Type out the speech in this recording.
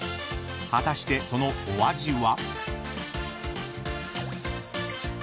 ［果たしてそのお味は？］